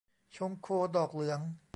ชงโคดอกเหลือง